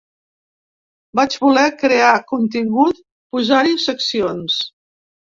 Vaig voler crear contingut, posar-hi seccions.